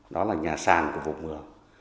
đó là nhà sàn của vùng mường